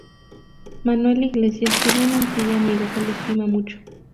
Manuel Iglesias tiene un antiguo amigo que lo estima mucho.